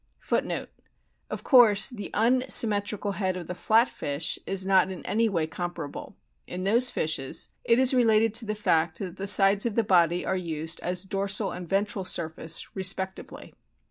Of course the unsymmetrical head of the flat fish is not in any way comparable ; in those fishes it is related to the fact that the sides of the body are used as dorsal and ventral surface respectively.